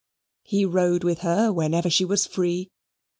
He rode with her whenever she was free.